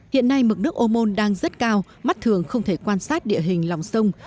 hiện nay mực nước ô môn đang rất cao mắt thường không thể quan sát địa hình lòng sông